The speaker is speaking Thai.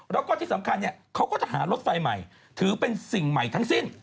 แล้วก็ที่สำคัญเขาก็จะหารถไฟใหม่ถือเป็นสิ่งใหม่ทั้งสิ้น